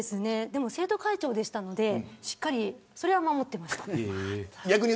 でも、生徒会長だったのでしっかり守ってました。